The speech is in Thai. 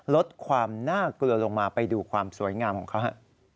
ลดความน่ากลัวลงมาไปดูความสวยงามของเขาฮะ